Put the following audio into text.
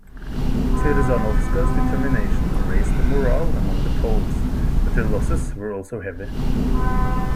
Chrzanowska's determination raised the morale among the Poles, but their losses were also heavy.